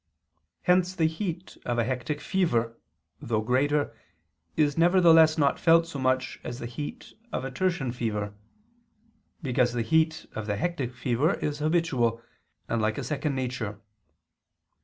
Hence the heat of a hectic fever, though greater, is nevertheless not felt so much as the heat of tertian fever; because the heat of the hectic fever is habitual and like a second nature.